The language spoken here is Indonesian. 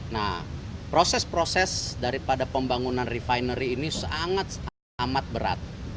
nah proses proses daripada pembangunan refinery ini sangat amat berat